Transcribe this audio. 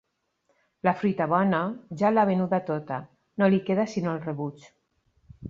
La fruita bona, ja l'ha venuda tota: no li queda sinó el rebuig.